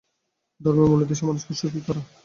ধর্মের মূল উদ্দেশ্য মানুষকে সুখী করা।